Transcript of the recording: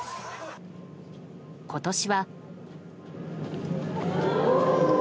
今年は。